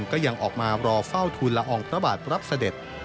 ก็ยังออกมารอเฝ้าทุนละอองพระบาทรับเสด็จ